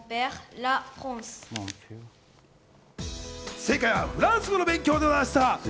正解はフランス語の勉強でございました。